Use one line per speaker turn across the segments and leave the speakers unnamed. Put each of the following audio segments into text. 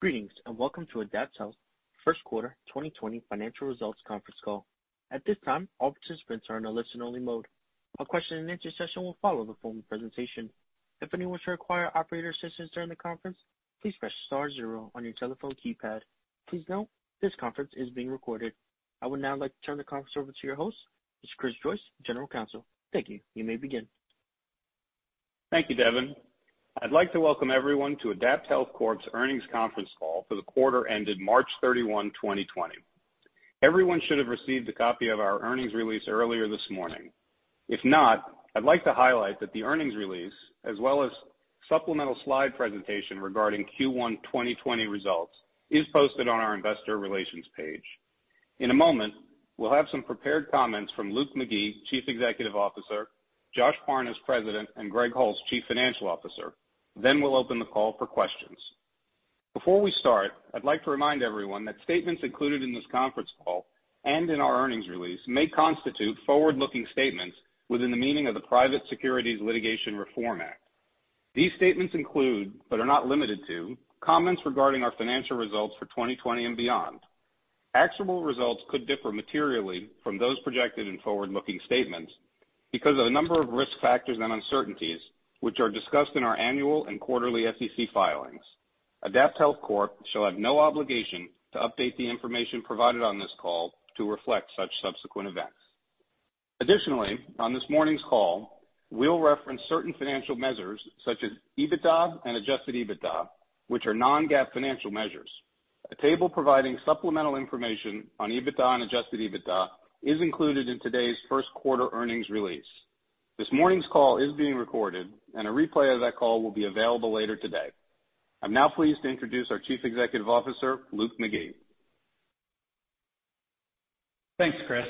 Greetings, welcome to AdaptHealth First Quarter 2020 financial results conference call. At this time, all participants are in a listen-only mode. A question and answer session will follow the formal presentation. If anyone should require operator assistance during the conference, please press star zero on your telephone keypad. Please note this conference is being recorded. I would now like to turn the conference over to your host, Mr. Chris Joyce, General Counsel. Thank you. You may begin.
Thank you, Devin. I'd like to welcome everyone to AdaptHealth Corp.'s earnings conference call for the quarter ended March 31, 2020. Everyone should have received a copy of our earnings release earlier this morning. If not, I'd like to highlight that the earnings release, as well as supplemental slide presentation regarding Q1 2020 results, is posted on our Investor Relations page. In a moment, we'll have some prepared comments from Luke McGee, Chief Executive Officer, Josh Parnes, President, and Gregg Holst, Chief Financial Officer. We'll open the call for questions. Before we start, I'd like to remind everyone that statements included in this conference call and in our earnings release may constitute forward-looking statements within the meaning of the Private Securities Litigation Reform Act. These statements include, but are not limited to, comments regarding our financial results for 2020 and beyond. Actual results could differ materially from those projected in forward-looking statements because of a number of risk factors and uncertainties, which are discussed in our annual and quarterly SEC filings. AdaptHealth Corp. shall have no obligation to update the information provided on this call to reflect such subsequent events. Additionally, on this morning's call, we'll reference certain financial measures such as EBITDA and adjusted EBITDA, which are non-GAAP financial measures. A table providing supplemental information on EBITDA and adjusted EBITDA is included in today's first quarter earnings release. This morning's call is being recorded, and a replay of that call will be available later today. I'm now pleased to introduce our Chief Executive Officer, Luke McGee.
Thanks, Chris,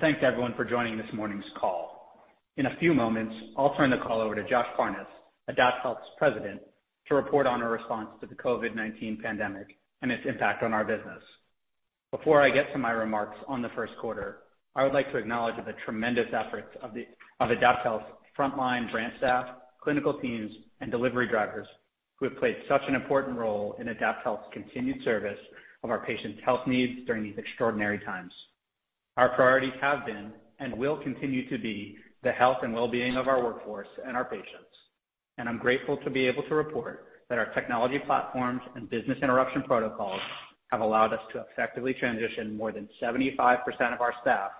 thanks to everyone for joining this morning's call. In a few moments, I'll turn the call over to Josh Parnes, AdaptHealth's President, to report on our response to the COVID-19 pandemic and its impact on our business. Before I get to my remarks on the first quarter, I would like to acknowledge the tremendous efforts of AdaptHealth frontline branch staff, clinical teams, and delivery drivers who have played such an important role in AdaptHealth's continued service of our patients' health needs during these extraordinary times. Our priorities have been, and will continue to be, the health and wellbeing of our workforce and our patients. I'm grateful to be able to report that our technology platforms and business interruption protocols have allowed us to effectively transition more than 75% of our staff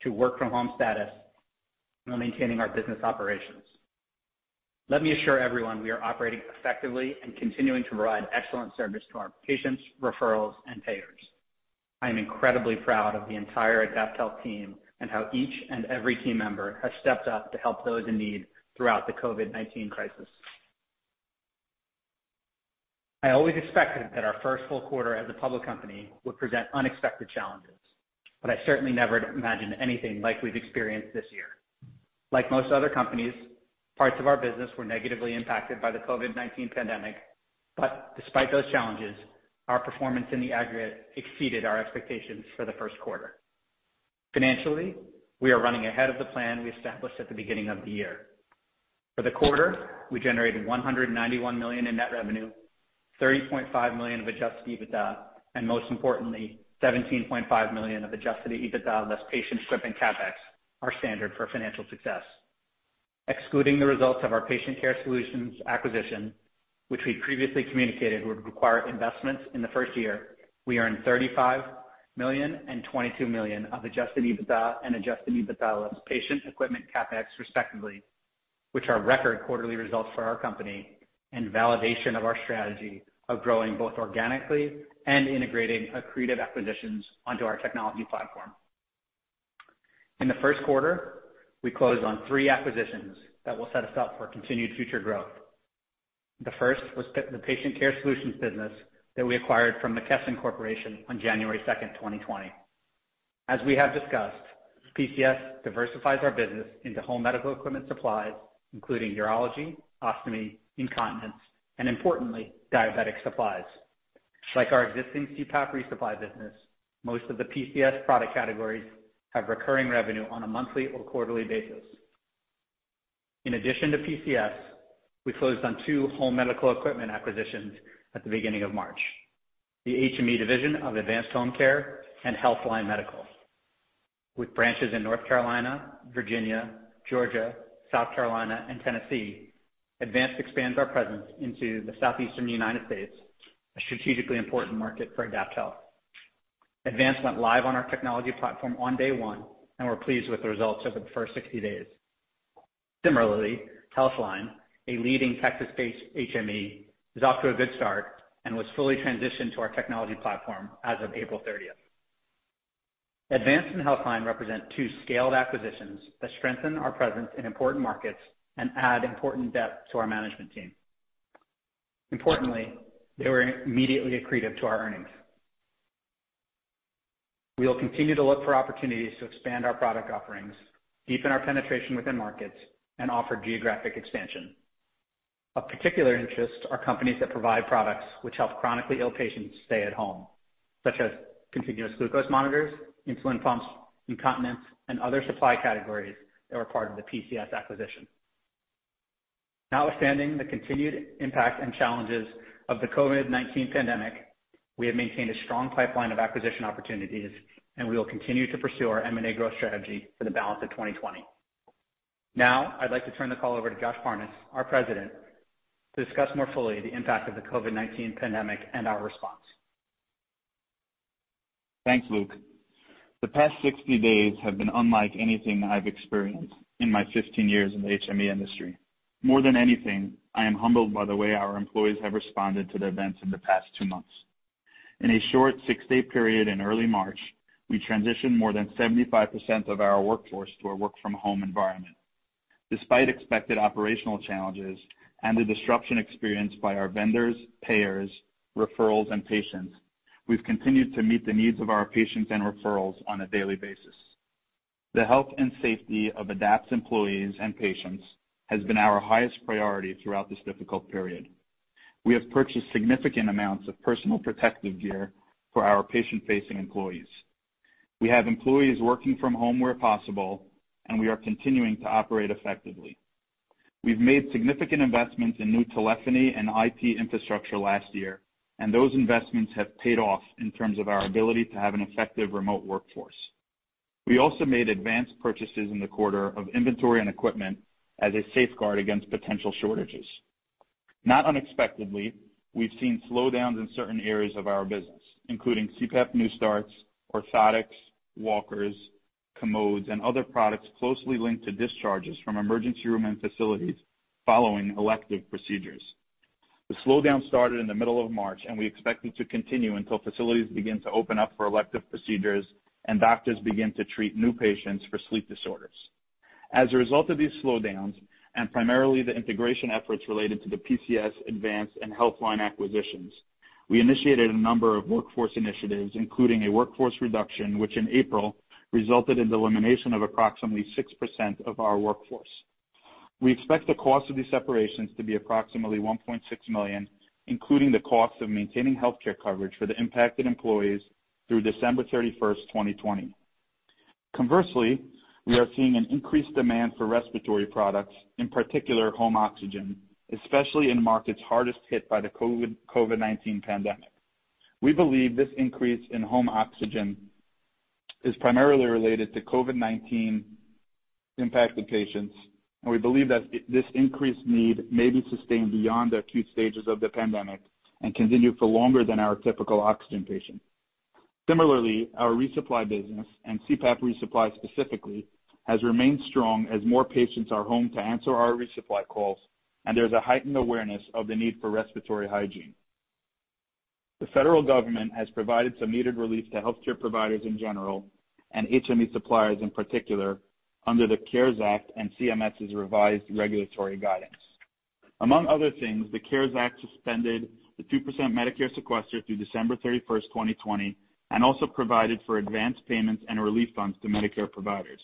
to work-from-home status while maintaining our business operations. Let me assure everyone we are operating effectively and continuing to provide excellent service to our patients, referrals, and payers. I am incredibly proud of the entire AdaptHealth team and how each and every team member has stepped up to help those in need throughout the COVID-19 crisis. I always expected that our first full quarter as a public company would present unexpected challenges, but I certainly never imagined anything like we've experienced this year. Despite those challenges, our performance in the aggregate exceeded our expectations for the first quarter. Financially, we are running ahead of the plan we established at the beginning of the year. For the quarter, we generated $191 million in net revenue, $30.5 million of adjusted EBITDA, and most importantly, $17.5 million of adjusted EBITDA less patient equipment CapEx, our standard for financial success. Excluding the results of our Patient Care Solutions acquisition, which we previously communicated would require investments in the first year, we earned $35 million and $22 million of adjusted EBITDA and adjusted EBITDA less patient equipment CapEx respectively, which are record quarterly results for our company and validation of our strategy of growing both organically and integrating accretive acquisitions onto our technology platform. In the first quarter, we closed on three acquisitions that will set us up for continued future growth. The first was the Patient Care Solutions business that we acquired from McKesson Corporation on January 2nd, 2020. As we have discussed, PCS diversifies our business into home medical equipment supplies, including urology, ostomy, incontinence, and importantly, diabetic supplies. Like our existing CPAP resupply business, most of the PCS product categories have recurring revenue on a monthly or quarterly basis. In addition to PCS, we closed on two home medical equipment acquisitions at the beginning of March: the HME division of Advanced Home Care and Healthline Medical. With branches in North Carolina, Virginia, Georgia, South Carolina, and Tennessee, Advanced expands our presence into the southeastern United States, a strategically important market for AdaptHealth. Advanced went live on our technology platform on day one, and we're pleased with the results over the first 60 days. Similarly, Healthline, a leading Texas-based HME, is off to a good start and was fully transitioned to our technology platform as of April 30th. Advanced and Healthline represent two scaled acquisitions that strengthen our presence in important markets and add important depth to our management team. Importantly, they were immediately accretive to our earnings. We will continue to look for opportunities to expand our product offerings, deepen our penetration within markets, and offer geographic expansion. Of particular interest are companies that provide products which help chronically ill patients stay at home, such as continuous glucose monitors, insulin pumps, incontinence, and other supply categories that were part of the PCS acquisition. Notwithstanding the continued impact and challenges of the COVID-19 pandemic, we have maintained a strong pipeline of acquisition opportunities, and we will continue to pursue our M&A growth strategy for the balance of 2020. Now, I'd like to turn the call over to Josh Parnes, our President, to discuss more fully the impact of the COVID-19 pandemic and our response.
Thanks, Luke. The past 60 days have been unlike anything I've experienced in my 15 years in the HME industry. More than anything, I am humbled by the way our employees have responded to the events in the past two months. In a short six-day period in early March, we transitioned more than 75% of our workforce to a work-from-home environment. Despite expected operational challenges and the disruption experienced by our vendors, payers, referrals, and patients, we've continued to meet the needs of our patients and referrals on a daily basis. The health and safety of AdaptHealth's employees and patients has been our highest priority throughout this difficult period. We have purchased significant amounts of personal protective gear for our patient-facing employees. We have employees working from home where possible, and we are continuing to operate effectively. We've made significant investments in new telephony and IT infrastructure last year, and those investments have paid off in terms of our ability to have an effective remote workforce. We also made advanced purchases in the quarter of inventory and equipment as a safeguard against potential shortages. Not unexpectedly, we've seen slowdowns in certain areas of our business, including CPAP new starts, orthotics, walkers, commodes, and other products closely linked to discharges from emergency room and facilities following elective procedures. The slowdown started in the middle of March, and we expect it to continue until facilities begin to open up for elective procedures and doctors begin to treat new patients for sleep disorders. As a result of these slowdowns, primarily the integration efforts related to the PCS, Advanced, and Healthline acquisitions, we initiated a number of workforce initiatives, including a workforce reduction, which in April, resulted in the elimination of approximately 6% of our workforce. We expect the cost of these separations to be approximately $1.6 million, including the cost of maintaining healthcare coverage for the impacted employees through December 31st, 2020. Conversely, we are seeing an increased demand for respiratory products, in particular home oxygen, especially in markets hardest hit by the COVID-19 pandemic. We believe this increase in home oxygen is primarily related to COVID-19 impacted patients and we believe that this increased need may be sustained beyond the acute stages of the pandemic and continue for longer than our typical oxygen patient. Similarly, our resupply business and CPAP resupply specifically, has remained strong as more patients are home to answer our resupply calls and there's a heightened awareness of the need for respiratory hygiene. The Federal government has provided some needed relief to healthcare providers in general and HME suppliers in particular under the CARES Act and CMS's revised regulatory guidance. Among other things, the CARES Act suspended the 2% Medicare sequester through December 31st, 2020, and also provided for advance payments and relief funds to Medicare providers.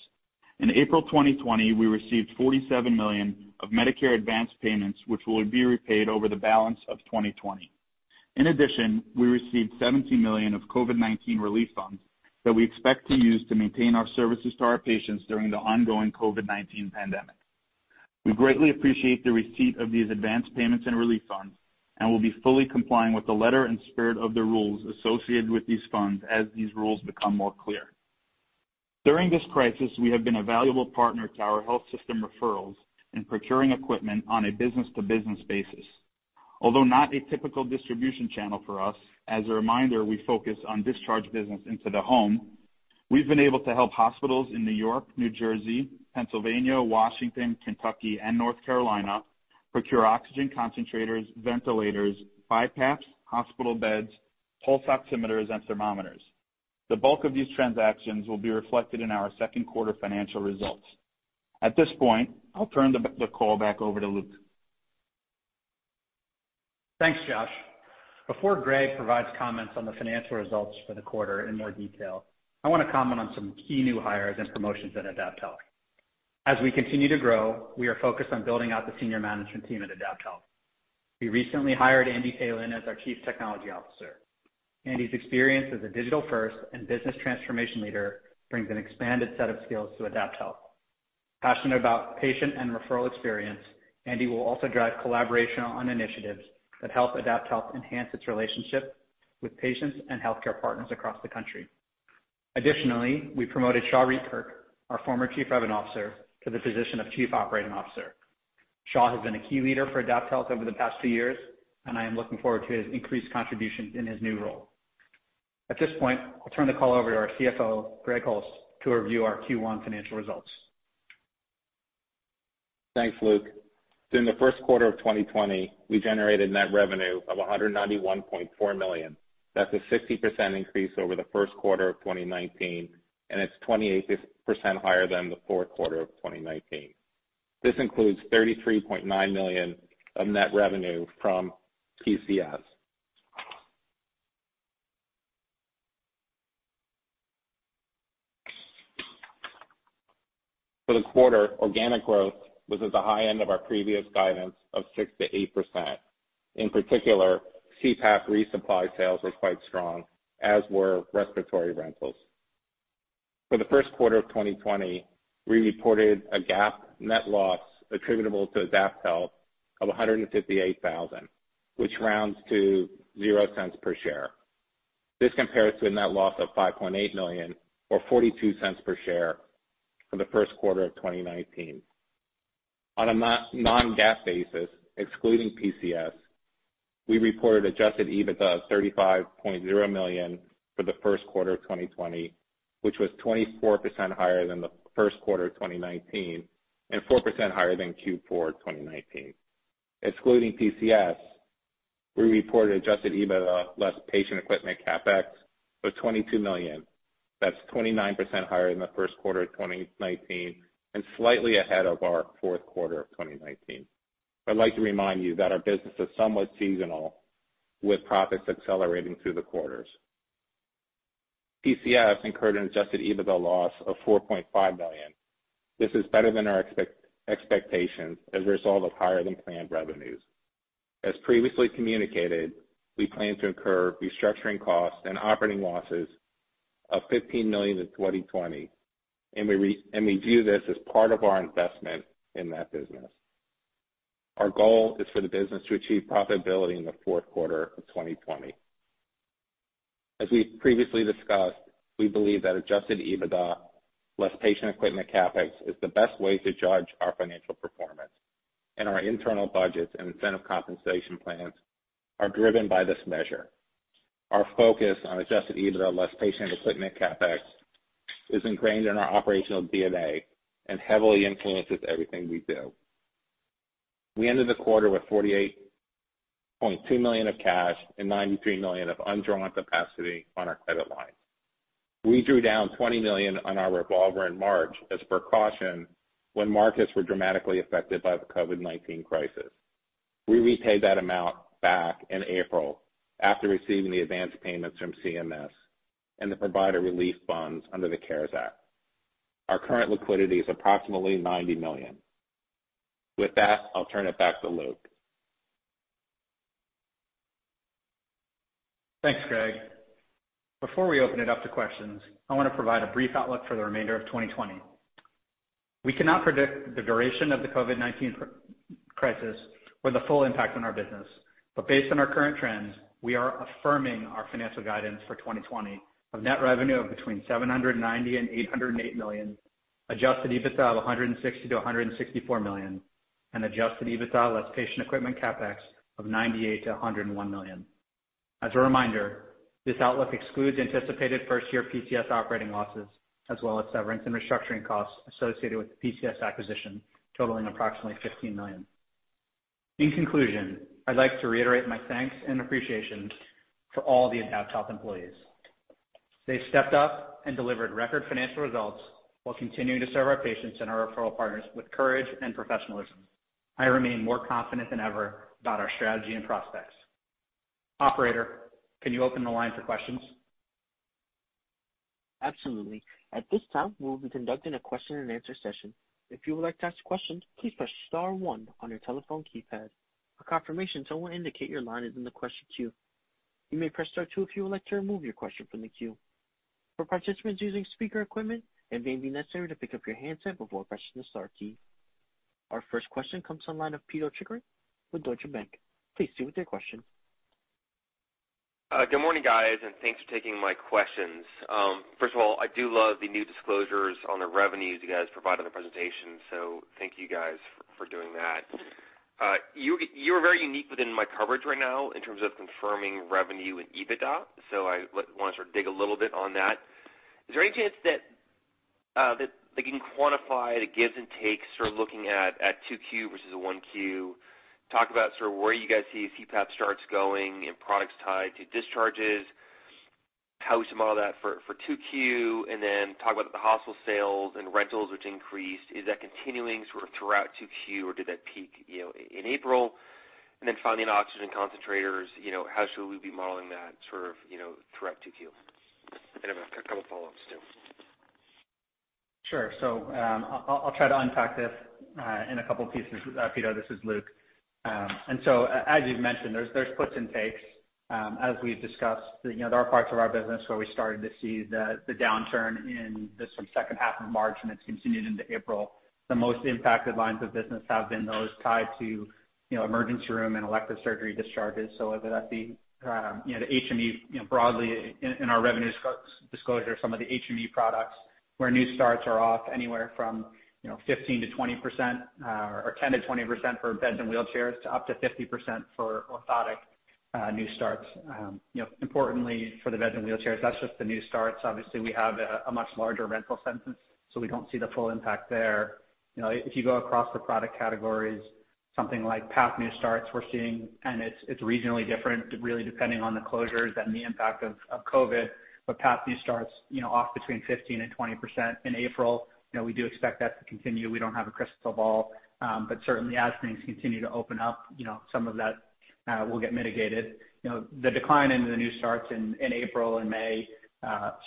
In April 2020, we received $47 million of Medicare advance payments, which will be repaid over the balance of 2020. In addition, we received $17 million of COVID-19 relief funds that we expect to use to maintain our services to our patients during the ongoing COVID-19 pandemic. We greatly appreciate the receipt of these advance payments and relief funds and will be fully complying with the letter and spirit of the rules associated with these funds as these rules become more clear. During this crisis, we have been a valuable partner to our health system referrals in procuring equipment on a business-to-business basis. Although not a typical distribution channel for us, as a reminder, we focus on discharge business into the home, we've been able to help hospitals in New York, New Jersey., Pennsylvania, Washington, Kentucky, and North Carolina procure oxygen concentrators, ventilators, BiPAPs, hospital beds, pulse oximeters, and thermometers. The bulk of these transactions will be reflected in our second quarter financial results. At this point, I'll turn the call back over to Luke.
Thanks, Josh. Before Gregg provides comments on the financial results for the quarter in more detail, I want to comment on some key new hires and promotions at AdaptHealth. As we continue to grow, we are focused on building out the senior management team at AdaptHealth. We recently hired Andy Palan as our Chief Technology Officer. Andy's experience as a digital-first and business transformation leader brings an expanded set of skills to AdaptHealth. Passionate about patient and referral experience, Andy will also drive collaboration on initiatives that help AdaptHealth enhance its relationship with patients and healthcare partners across the country. We promoted Shaw Rietkerk, our former Chief Revenue Officer, to the position of Chief Operating Officer. Shaw has been a key leader for AdaptHealth over the past two years, and I am looking forward to his increased contribution in his new role. At this point, I'll turn the call over to our CFO, Gregg Holst, to review our Q1 financial results.
Thanks, Luke. During the first quarter of 2020, we generated net revenue of $191.4 million. That's a 60% increase over the first quarter of 2019. It's 28% higher than the fourth quarter of 2019. This includes $33.9 million of net revenue from PCS. For the quarter, organic growth was at the high end of our previous guidance of 6%-8%. In particular, CPAP resupply sales were quite strong, as were respiratory rentals. For the first quarter of 2020, we reported a GAAP net loss attributable to AdaptHealth of $158,000, which rounds to $0.00 per share. This compares to a net loss of $5.8 million or $0.42 per share from the first quarter of 2019. On a non-GAAP basis, excluding PCS, we reported adjusted EBITDA of $35.0 million for the first quarter of 2020, which was 24% higher than the first quarter of 2019 and 4% higher than Q4 2019. Excluding PCS, we reported adjusted EBITDA less patient equipment CapEx of $22 million. That's 29% higher than the first quarter of 2019, and slightly ahead of our fourth quarter of 2019. I'd like to remind you that our business is somewhat seasonal, with profits accelerating through the quarters. PCS incurred an adjusted EBITDA loss of $4.5 million. This is better than our expectations as a result of higher-than-planned revenues. As previously communicated, we plan to incur restructuring costs and operating losses of $15 million in 2020. We view this as part of our investment in that business. Our goal is for the business to achieve profitability in the fourth quarter of 2020. As we previously discussed, we believe that adjusted EBITDA less patient equipment CapEx is the best way to judge our financial performance. Our internal budgets and incentive compensation plans are driven by this measure. Our focus on adjusted EBITDA less patient equipment CapEx is ingrained in our operational DNA and heavily influences everything we do. We ended the quarter with $48.2 million of cash and $93 million of undrawn capacity on our credit line. We drew down $20 million on our revolver in March as a precaution when markets were dramatically affected by the COVID-19 crisis. We repaid that amount back in April after receiving the advance payments from CMS and the provider relief funds under the CARES Act. Our current liquidity is approximately $90 million. With that, I'll turn it back to Luke.
Thanks, Gregg. Before we open it up to questions, I want to provide a brief outlook for the remainder of 2020. We cannot predict the duration of the COVID-19 crisis or the full impact on our business. Based on our current trends, we are affirming our financial guidance for 2020 of net revenue of between $790 million and $808 million, adjusted EBITDA of $160 million-$164 million, and adjusted EBITDA less patient equipment CapEx of $98 million-$101 million. As a reminder, this outlook excludes anticipated first-year PCS operating losses, as well as severance and restructuring costs associated with the PCS acquisition, totaling approximately $15 million. In conclusion, I'd like to reiterate my thanks and appreciation to all the AdaptHealth employees. They stepped up and delivered record financial results while continuing to serve our patients and our referral partners with courage and professionalism. I remain more confident than ever about our strategy and prospects. Operator, can you open the line for questions?
Absolutely. At this time, we will be conducting a question and answer session. If you would like to ask questions, please press star one on your telephone keypad. For confirmation, someone will indicate your line is in the question queue. You may press star two if you would like to remove your question from the queue. For participants using speaker equipment, it may be necessary to pick up your handset before pressing the star key. Our first question comes on the line of Pito Chickering with Deutsche Bank. Please proceed with your question.
Good morning, guys. Thanks for taking my questions. First of all, I do love the new disclosures on the revenues you guys provided in the presentation. Thank you guys for doing that. You are very unique within my coverage right now in terms of confirming revenue and EBITDA. I want to sort of dig a little bit on that. Is there any chance that you can quantify the gives and takes for looking at 2Q versus 1Q, talk about sort of where you guys see CPAP starts going and products tied to discharges, how we model that for 2Q, and then talk about the hospital sales and rentals, which increased? Is that continuing sort of throughout 2Q, or did that peak in April? Then finally, on oxygen concentrators, how should we be modeling that sort of throughout 2Q? I have a couple of follow-ups, too.
Sure. I'll try to unpack this in a couple pieces. Pito, this is Luke. As you've mentioned, there's gives and takes. As we've discussed, there are parts of our business where we started to see the downturn in the second half of March, and it's continued into April. The most impacted lines of business have been those tied to emergency room and elective surgery discharges. Whether that's the HME broadly in our revenue disclosure, some of the HME products where new starts are off anywhere from 15%-20%, or 10%-20% for beds and wheelchairs, to up to 50% for orthotic new starts. Importantly, for the beds and wheelchairs, that's just the new starts. Obviously, we have a much larger rental census, so we don't see the full impact there. If you go across the product categories, something like PAP new starts we're seeing, and it's regionally different, really depending on the closures and the impact of COVID-19, but PAP new starts off between 15% and 20% in April. We do expect that to continue. We don't have a crystal ball, but certainly as things continue to open up, some of that will get mitigated. The decline in the new starts in April and May,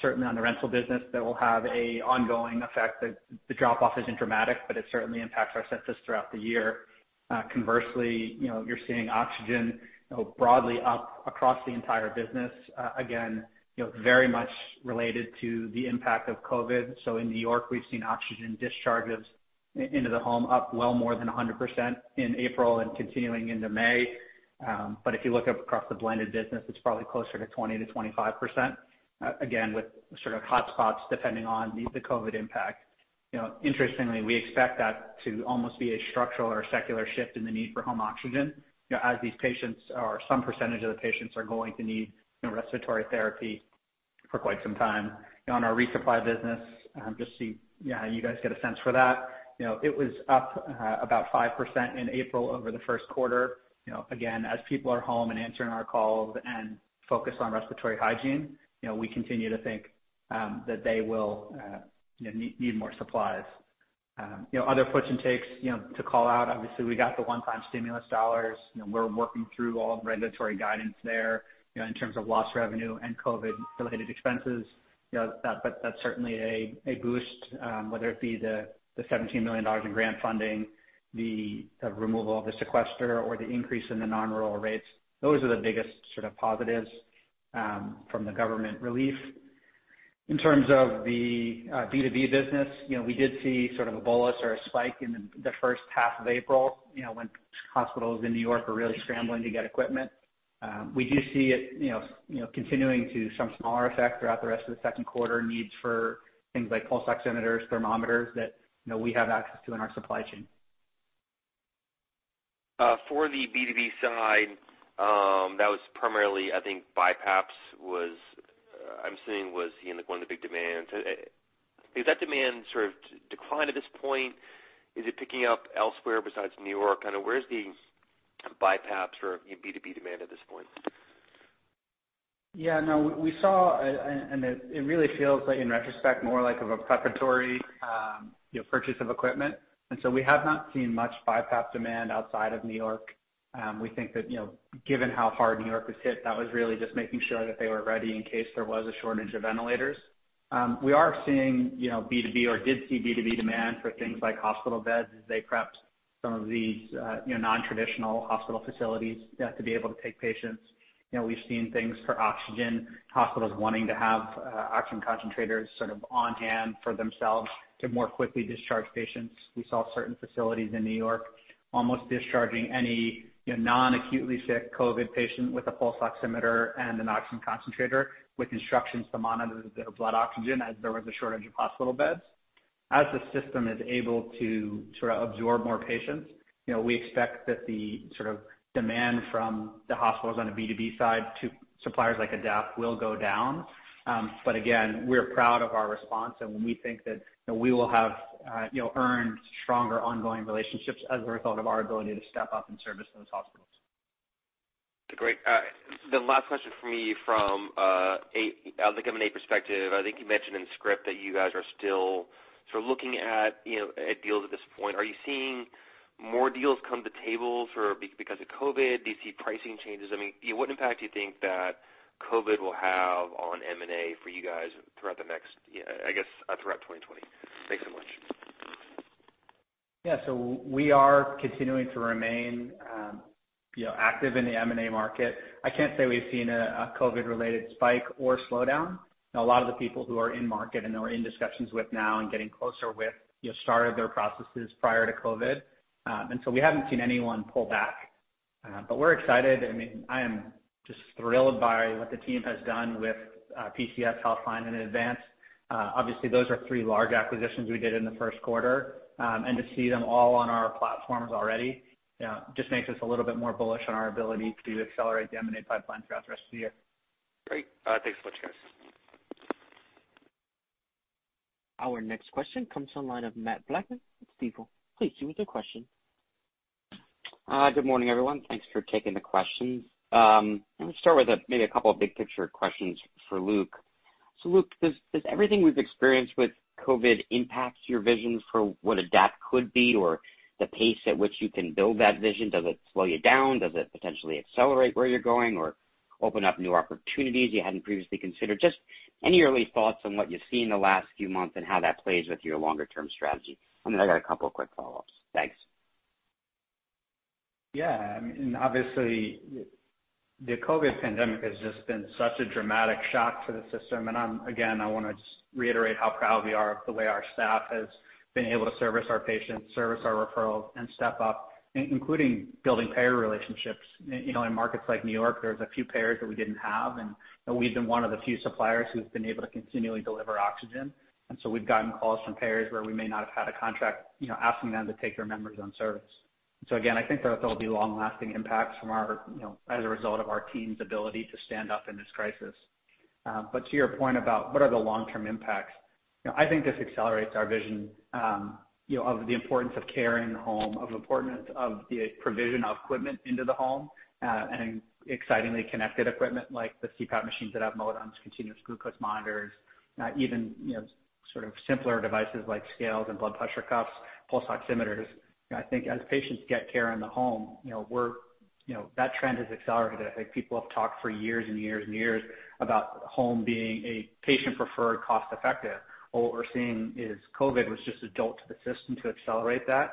certainly on the rental business, that will have an ongoing effect. The drop-off isn't dramatic, but it certainly impacts our census throughout the year. Conversely, you're seeing oxygen broadly up across the entire business. Again, very much related to the impact of COVID-19. In New York, we've seen oxygen discharges into the home up well more than 100% in April and continuing into May. If you look up across the blended business, it's probably closer to 20%-25%, again, with sort of hotspots, depending on the COVID-19 impact. Interestingly, we expect that to almost be a structural or a secular shift in the need for home oxygen, as these patients, or some percentage of the patients, are going to need respiratory therapy for quite some time. On our resupply business, just so you guys get a sense for that, it was up about 5% in April over the first quarter. Again, as people are home and answering our calls and focused on respiratory hygiene, we continue to think that they will need more supplies. Other puts and takes to call out, obviously, we got the one-time stimulus dollars. We're working through all the regulatory guidance there, in terms of lost revenue and COVID-19-related expenses. That's certainly a boost, whether it be the $17 million in grant funding, the removal of the sequester, or the increase in the non-rural rates. Those are the biggest positives from the government relief. In terms of the B2B business, we did see sort of a bolus or a spike in the first half of April, when hospitals in New York were really scrambling to get equipment. We do see it continuing to some smaller effect throughout the rest of the second quarter, needs for things like pulse oximeters, thermometers that we have access to in our supply chain.
For the B2B side, that was primarily, I think, BiPAPs was, I'm assuming, one of the big demands. Has that demand sort of declined at this point? Is it picking up elsewhere besides New York? Where's the BiPAPs or B2B demand at this point?
We saw, it really feels like, in retrospect, more like of a preparatory purchase of equipment. We have not seen much BiPAP demand outside of New York. We think that, given how hard New York was hit, that was really just making sure that they were ready in case there was a shortage of ventilators. We are seeing B2B, or did see B2B demand for things like hospital beds as they prepped some of these non-traditional hospital facilities to be able to take patients. We've seen things for oxygen, hospitals wanting to have oxygen concentrators sort of on-hand for themselves to more quickly discharge patients. We saw certain facilities in New York almost discharging any non-acutely sick COVID patient with a pulse oximeter and an oxygen concentrator with instructions to monitor their blood oxygen as there was a shortage of hospital beds. As the system is able to sort of absorb more patients, we expect that the demand from the hospitals on the B2B side to suppliers like Adapt will go down. Again, we're proud of our response. We think that we will have earned stronger ongoing relationships as a result of our ability to step up and service those hospitals.
Great. The last question from me, from a M&A perspective. I think you mentioned in the script that you guys are still sort of looking at deals at this point. Are you seeing more deals come to table because of COVID? Do you see pricing changes? What impact do you think that COVID will have on M&A for you guys throughout 2020? Thanks so much.
Yeah. We are continuing to remain active in the M&A market. I can't say we've seen a COVID-19-related spike or slowdown. A lot of the people who are in market and that we're in discussions with now and getting closer with, started their processes prior to COVID-19. We haven't seen anyone pull back. We're excited. I am just thrilled by what the team has done with PCS, Healthline, and Advanced. Obviously, those are three large acquisitions we did in the first quarter. To see them all on our platforms already, just makes us a little bit more bullish on our ability to accelerate the M&A pipeline throughout the rest of the year.
Great. Thanks so much, guys.
Our next question comes from the line of Matt Blackman with Stifel. Please give me your question.
Good morning, everyone. Thanks for taking the questions. Let me start with maybe a couple of big-picture questions for Luke. Luke, does everything we've experienced with COVID impact your vision for what Adapt could be or the pace at which you can build that vision? Does it slow you down? Does it potentially accelerate where you're going or open up new opportunities you hadn't previously considered? Just any early thoughts on what you've seen in the last few months and how that plays with your longer-term strategy. I got a couple of quick follow-ups. Thanks.
Yeah. Obviously, the COVID pandemic has just been such a dramatic shock to the system. Again, I want to just reiterate how proud we are of the way our staff has been able to service our patients, service our referrals, and step up, including building payer relationships. In markets like New York, there were a few payers that we didn't have, and we've been one of the few suppliers who's been able to continually deliver oxygen. We've gotten calls from payers where we may not have had a contract, asking them to take their members on service. Again, I think that there'll be long-lasting impacts as a result of our team's ability to stand up in this crisis. To your point about what are the long-term impacts, I think this accelerates our vision of the importance of care in the home, of importance of the provision of equipment into the home, and excitingly, connected equipment like the CPAP machines that have modems, continuous glucose monitors, even sort of simpler devices like scales and blood pressure cuffs, pulse oximeters. I think as patients get care in the home, that trend has accelerated. I think people have talked for years and years about home being a patient preferred, cost-effective. Well, what we're seeing is COVID was just a jolt to the system to accelerate that.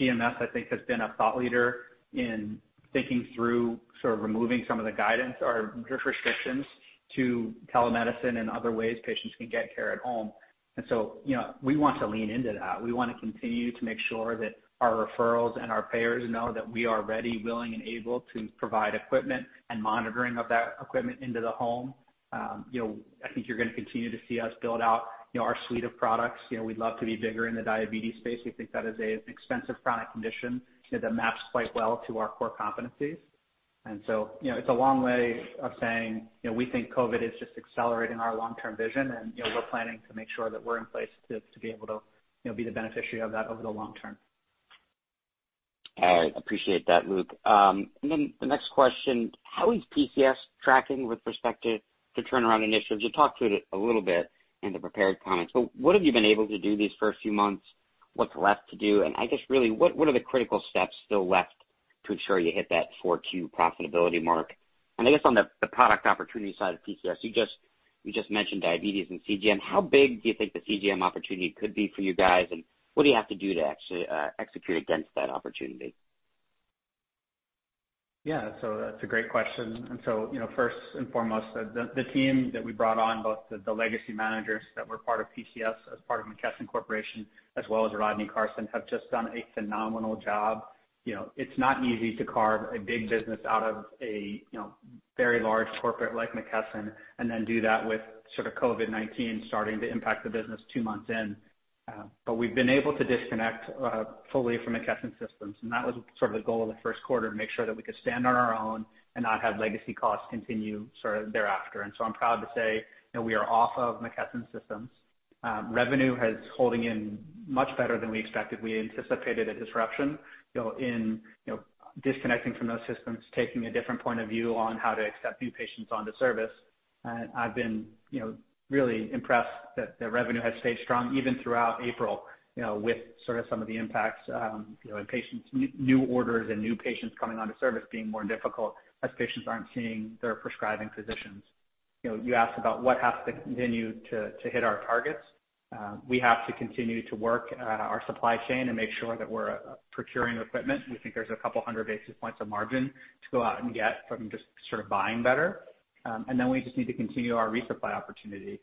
CMS, I think, has been a thought leader in thinking through sort of removing some of the guidance or restrictions to telemedicine and other ways patients can get care at home. We want to lean into that. We want to continue to make sure that our referrals and our payers know that we are ready, willing, and able to provide equipment and monitoring of that equipment into the home. I think you're going to continue to see us build out our suite of products. We'd love to be bigger in the diabetes space. We think that is an expensive chronic condition that maps quite well to our core competencies. It's a long way of saying, we think COVID is just accelerating our long-term vision, and we're planning to make sure that we're in place to be able to be the beneficiary of that over the long term.
All right. Appreciate that, Luke. The next question, how is PCS tracking with respect to turnaround initiatives? You talked through it a little bit in the prepared comments, what have you been able to do these first few months? What's left to do? What are the critical steps still left to ensure you hit that 4Q profitability mark? On the product opportunity side of PCS, you just mentioned diabetes and CGM. How big do you think the CGM opportunity could be for you guys, and what do you have to do to actually execute against that opportunity?
Yeah. That's a great question. First and foremost, the team that we brought on, both the legacy managers that were part of PCS as part of McKesson Corporation, as well as Rodney Carson, have just done a phenomenal job. It's not easy to carve a big business out of a very large corporate like McKesson and then do that with COVID-19 starting to impact the business two months in. We've been able to disconnect fully from McKesson systems, and that was the goal of the first quarter, to make sure that we could stand on our own and not have legacy costs continue thereafter. I'm proud to say that we are off of McKesson systems. Revenue is holding in much better than we expected. We anticipated a disruption in disconnecting from those systems, taking a different point of view on how to accept new patients onto service. I've been really impressed that the revenue has stayed strong even throughout April, with some of the impacts in new orders and new patients coming onto service being more difficult as patients aren't seeing their prescribing physicians. You asked about what has to continue to hit our targets. We have to continue to work our supply chain and make sure that we're procuring equipment. We think there's a couple of hundred basis points of margin to go out and get from just buying better. We just need to continue our resupply opportunity.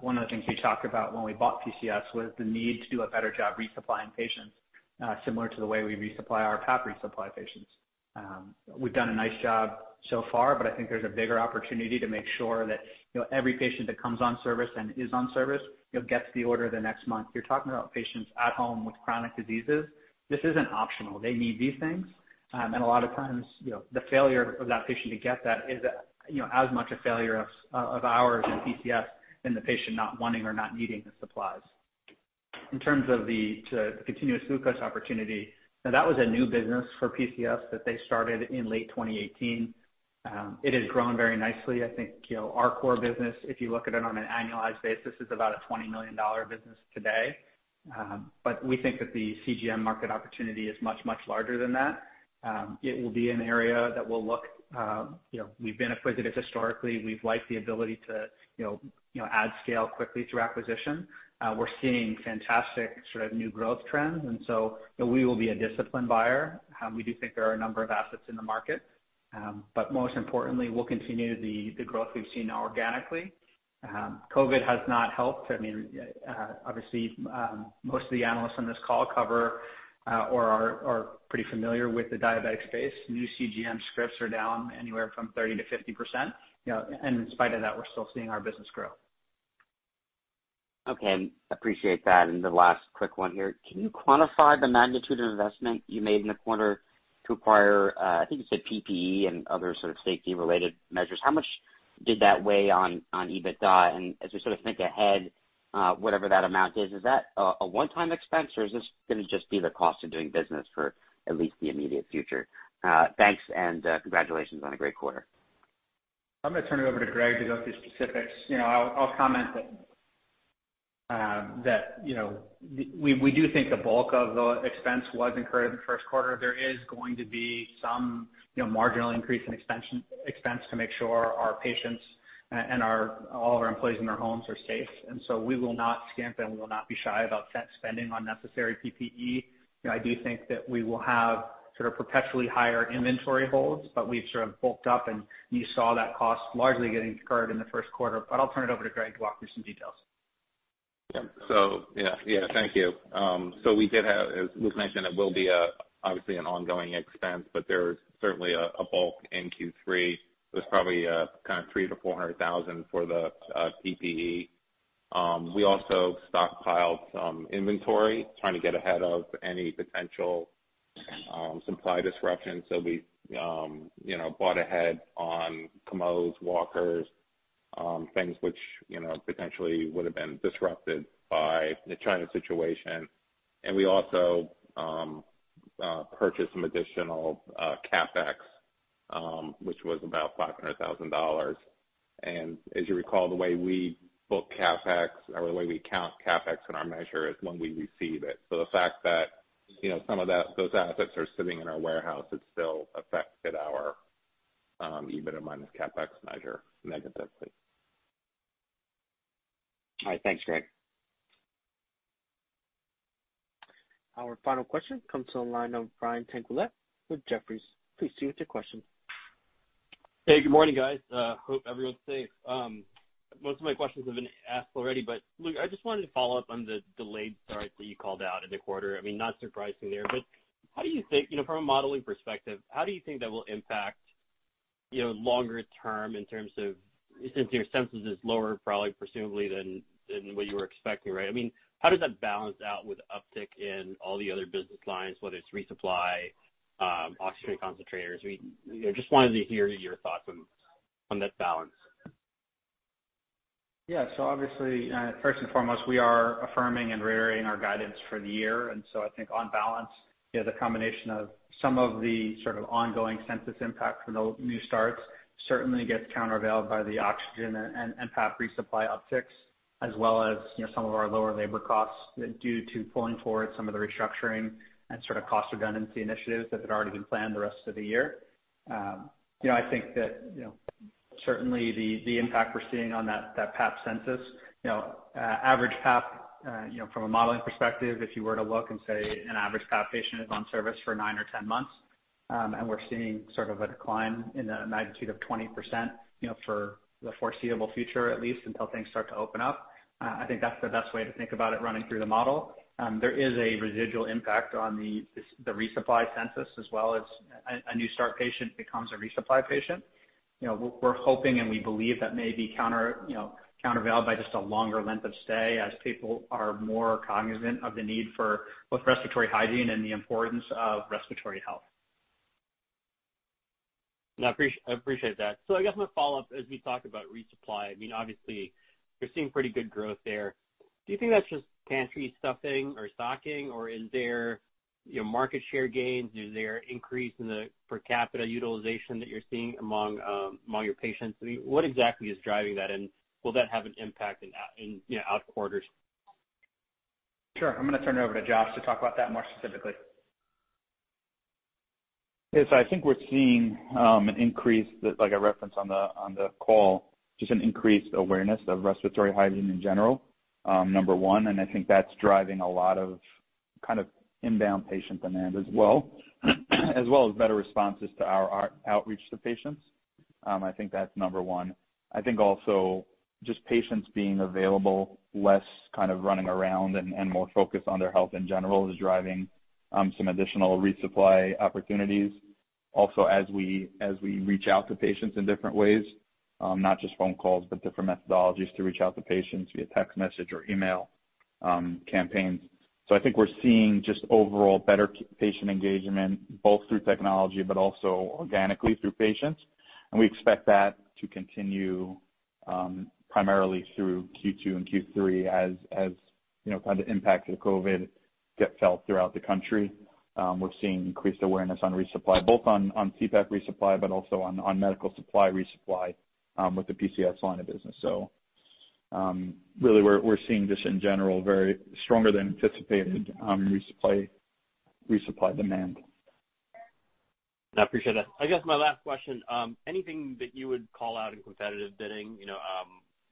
One of the things we talked about when we bought PCS was the need to do a better job resupplying patients, similar to the way we resupply our PAP resupply patients. We've done a nice job so far, but I think there's a bigger opportunity to make sure that every patient that comes on service and is on service gets the order the next month. You're talking about patients at home with chronic diseases. This isn't optional. They need these things, and a lot of times, the failure of that patient to get that is as much a failure of ours and PCS than the patient not wanting or not needing the supplies. In terms of the continuous glucose opportunity, that was a new business for PCS that they started in late 2018. It has grown very nicely. I think our core business, if you look at it on an annualized basis, is about a $20 million business today. But we think that the CGM market opportunity is much, much larger than that. It will be an area we will look, you know, we've been acquisitive historically. We've liked the ability to add scale quickly through acquisition. We're seeing fantastic new growth trends, and so we will be a disciplined buyer. We do think there are a number of assets in the market. Most importantly, we'll continue the growth we've seen organically. COVID has not helped. Obviously, most of the analysts on this call cover or are pretty familiar with the diabetic space. New CGM scripts are down anywhere from 30%-50%. In spite of that, we're still seeing our business grow.
Okay. Appreciate that. The last quick one here, can you quantify the magnitude of investment you made in the quarter to acquire, I think you said PPE and other safety-related measures? How much did that weigh on EBITDA? As we think ahead, whatever that amount is that a one-time expense, or is this going to just be the cost of doing business for at least the immediate future? Thanks, and congratulations on a great quarter.
I'm going to turn it over to Gregg to go through specifics. I'll comment that we do think the bulk of the expense was incurred in the first quarter. There is going to be some marginal increase in expense to make sure our patients and all of our employees in their homes are safe. We will not skimp, and we will not be shy about spending on necessary PPE. I do think that we will have perpetually higher inventory holds, but we've bulked up, and you saw that cost largely getting incurred in the first quarter. I'll turn it over to Gregg to walk through some details.
Yeah. Thank you. We did have, as Luke mentioned, it will be obviously an ongoing expense, but there's certainly a bulk in Q3. There's probably $300,000-$400,000 for the PPE. We also stockpiled some inventory, trying to get ahead of any potential supply disruptions. We bought ahead on commodes, walkers, things which potentially would have been disrupted by the China situation. We also purchased some additional CapEx, which was about $500,000. As you recall, the way we book CapEx, or the way we count CapEx in our measure is when we receive it. The fact that some of those assets are sitting in our warehouse, it still affected our EBITDA minus CapEx measure negatively.
All right. Thanks, Gregg
Our final question comes to the line of Brian Tanquilut with Jefferies. Please proceed with your question.
Hey, good morning, guys. Hope everyone's safe. Most of my questions have been asked already. Luke, I just wanted to follow up on the delayed start that you called out in the quarter. Not surprising there. How do you think, from a modeling perspective, how do you think that will impact longer term in terms of, since your census is lower, probably presumably than what you were expecting, right? How does that balance out with uptick in all the other business lines, whether it's resupply, oxygen concentrators? We just wanted to hear your thoughts on that balance.
Yeah. Obviously, first and foremost, we are affirming and reiterating our guidance for the year. I think on balance, the combination of some of the sort of ongoing census impact from the new starts certainly gets countervailed by the oxygen and PAP resupply upticks, as well as some of our lower labor costs due to pulling forward some of the restructuring and sort of cost redundancy initiatives that had already been planned the rest of the year. I think that certainly the impact we're seeing on that PAP census, average PAP from a modeling perspective, if you were to look and say an average PAP patient is on service for nine or 10 months, and we're seeing sort of a decline in the magnitude of 20% for the foreseeable future, at least, until things start to open up. I think that's the best way to think about it running through the model. There is a residual impact on the resupply census as well as a new start patient becomes a resupply patient. We're hoping and we believe that may be countervailed by just a longer length of stay as people are more cognizant of the need for both respiratory hygiene and the importance of respiratory health.
No, I appreciate that. I guess my follow-up, as we talk about resupply, obviously you're seeing pretty good growth there. Do you think that's just pantry stuffing or stocking, or is there market share gains? Is there increase in the per capita utilization that you're seeing among your patients? What exactly is driving that, and will that have an impact in out-quarters?
Sure. I'm going to turn it over to Josh to talk about that more specifically.
Yes. I think we're seeing an increase, like I referenced on the call, just an increased awareness of respiratory hygiene in general, number one, and I think that's driving a lot of kind of inbound patient demand as well, as well as better responses to our outreach to patients. I think that's number one. I think also just patients being available, less kind of running around and more focused on their health in general is driving some additional resupply opportunities. Also, as we reach out to patients in different ways, not just phone calls, but different methodologies to reach out to patients via text message or email campaigns. I think we're seeing just overall better patient engagement, both through technology but also organically through patients. We expect that to continue primarily through Q2 and Q3 as kind of the impacts of COVID-19 get felt throughout the country. We're seeing increased awareness on resupply, both on CPAP resupply, also on medical supply resupply with the PCS line of business. Really, we're seeing just in general very stronger than anticipated resupply demand.
I appreciate that. I guess my last question, anything that you would call out in competitive bidding?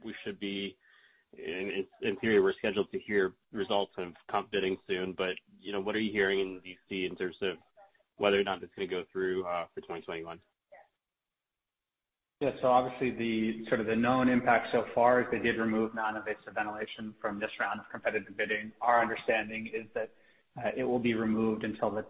We should be, in theory, we're scheduled to hear results of comp bidding soon, but what are you hearing in D.C. in terms of whether or not that's going to go through for 2021?
Obviously the sort of the known impact so far is they did remove non-invasive ventilation from this round of competitive bidding. Our understanding is that it will be removed until the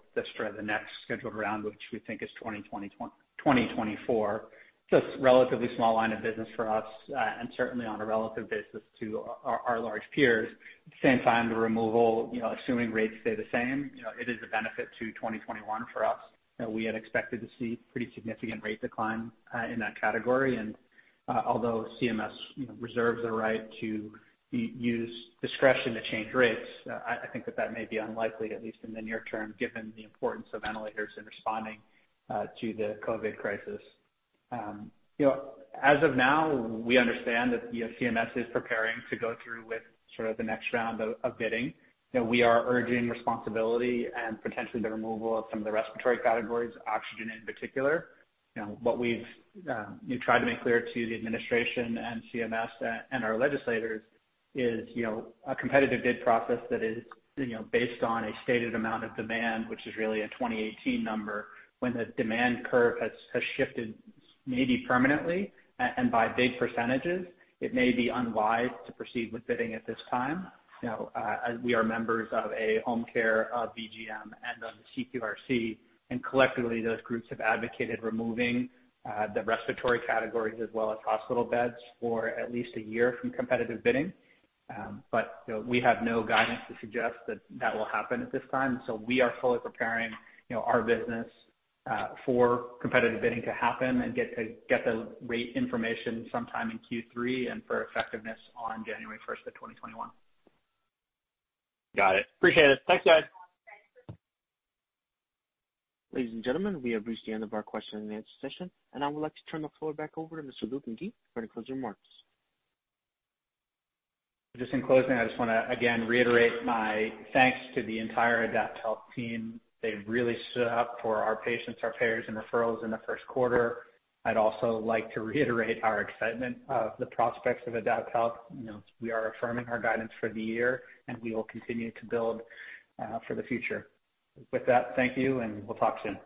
next scheduled round, which we think is 2024. It's a relatively small line of business for us, and certainly on a relative basis to our large peers. At the same time, the removal, assuming rates stay the same, it is a benefit to 2021 for us. We had expected to see pretty significant rate decline in that category. Although CMS reserves the right to use discretion to change rates, I think that that may be unlikely, at least in the near term, given the importance of ventilators in responding to the COVID crisis. As of now, we understand that CMS is preparing to go through with sort of the next round of bidding. We are urging responsibility and potentially the removal of some of the respiratory categories, oxygen in particular. What we've tried to make clear to the administration and CMS and our legislators is, a competitive bid process that is based on a stated amount of demand, which is really a 2018 number, when the demand curve has shifted maybe permanently and by big percentages, it may be unwise to proceed with bidding at this time. We are members of a home care, a VGM, and on the CQRC, and collectively those groups have advocated removing the respiratory categories as well as hospital beds for at least a year from competitive bidding. We have no guidance to suggest that that will happen at this time, so we are fully preparing our business for competitive bidding to happen and get the rate information sometime in Q3 and for effectiveness on January 1st, 2021.
Got it. Appreciate it. Thanks, guys.
Ladies and gentlemen, we have reached the end of our question and answer session, I would like to turn the floor back over to Mr. Luke McGee for any closing remarks.
Just in closing, I just want to, again, reiterate my thanks to the entire AdaptHealth team. They've really stood up for our patients, our payers, and referrals in the first quarter. I'd also like to reiterate our excitement of the prospects of AdaptHealth. We are affirming our guidance for the year, and we will continue to build for the future. With that, thank you, and we'll talk soon.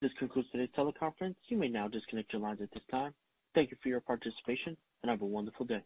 This concludes today's teleconference. You may now disconnect your lines at this time. Thank you for your participation, and have a wonderful day.